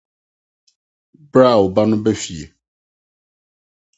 Bere a Wo Ba no Ba Fie